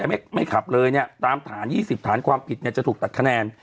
แล้วถึงไม่ขับเลยเนี่ยตามทาง๒๐ฐานความผิดจะถูกตัดคะแนน